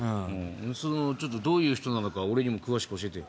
どういう人なのか俺にも詳しく教えてよ。